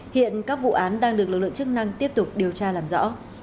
hiện các vụ án đang được lực lượng chức năng tiếp tục điều tra làm rõ